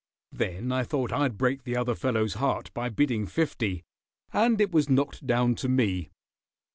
Then I thought I'd break the other fellow's heart by bidding fifty, and it was knocked down to me."